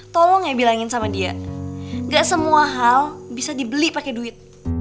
tolong ya bilangin sama dia nggak semua hal bisa dibeli pakai duit